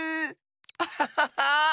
アハハハッ。